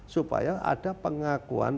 supaya ada pengakuan